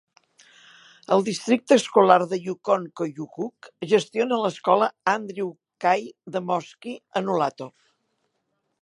El districte escolar de Yukon-Koyukuk gestiona l'escola Andrew K. Demoski, a Nulato.